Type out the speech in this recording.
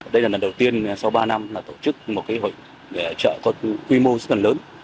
đây là lần đầu tiên sau ba năm tổ chức một hội trợ có quy mô rất là lớn